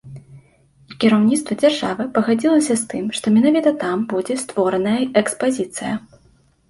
І кіраўніцтва дзяржавы пагадзілася з тым, што менавіта там будзе створаная экспазіцыя.